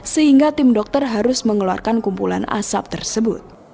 sehingga tim dokter harus mengeluarkan kumpulan asap tersebut